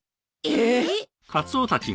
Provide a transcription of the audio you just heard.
えっ？